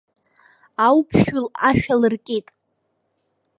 Ауԥшәыл ашә алыркит.